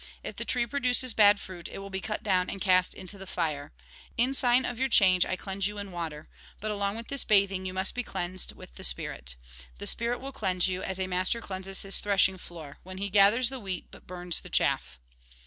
If the tree produces bad fruit, it will be cut down and cast into the fire. In sign of your change, I cleanse you in water ; but, along with this bathing, you must be cleansed with the spirit. The spirit will cleanse you, as a master cleanses his threshing floor ; when he gathers the wheat, but burns the chaff."